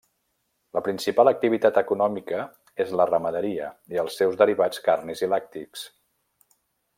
La principal activitat econòmica és la ramaderia i els seus derivats carnis i lactis.